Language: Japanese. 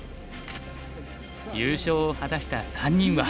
優勝を果たした３人は。